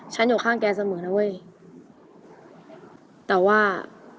ฉันอยู่ข้างแกเสมอแล้วเว้ย